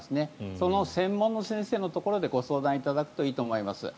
その専門の先生のところでご相談いただくといいと思います。